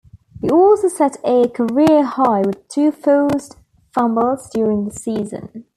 He also set a career-high with two forced fumbles during the season.